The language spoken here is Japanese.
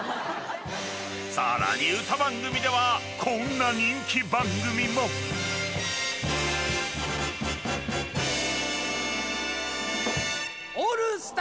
［さらに歌番組ではこんな人気番組も］オールスター。